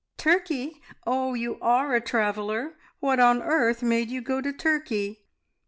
"Turkey! Oh, you are a traveller! What on earth made you go to Turkey?"